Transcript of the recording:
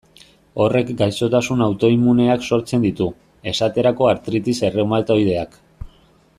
Horrek gaixotasun autoimmuneak sortzen ditu, esterako artritis erreumatoideak.